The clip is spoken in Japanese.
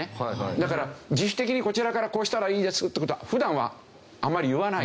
だから自主的にこちらからこうしたらいいですって事は普段はあんまり言わない。